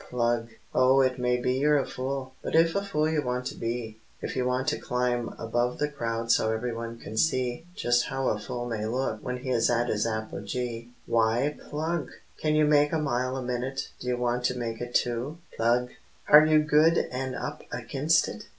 Plug! Oh, it may be you're a fool, but if a fool you want to be, If you want to climb above the crowd so every one can see Just how a fool may look when he is at his apogee, Why, plug! Can you make a mile a minute? Do you want to make it two? Plug! Are you good and up against it?